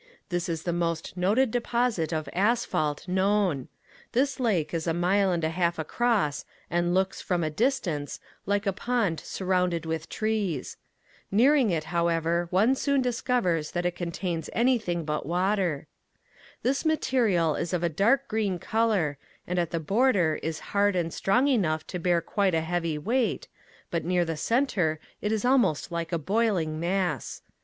This is the most noted deposit of asphalt known. This lake is a mile and a half across and looks, from a distance, like a pond surrounded with trees. Nearing it, however, one soon discovers that it contains anything but water. This material is of a dark green color and at the border is hard and strong enough to bear quite a heavy weight, but near the center it is almost like a boiling mass.